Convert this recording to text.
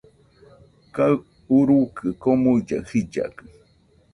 Kaɨ urukɨ komuilla jillakɨ